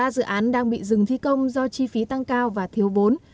ba dự án đang bị dừng thi công do chi phí tăng cao và thiếu vốn